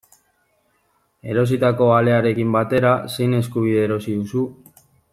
Erositako alearekin batera, zein eskubide erosi duzu?